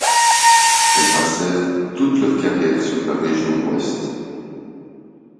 Elles passèrent toute leur carrière sur la région Ouest.